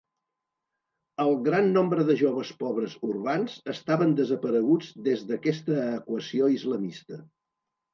El gran nombre de joves pobres urbans estaven desapareguts des d'aquesta equació islamista.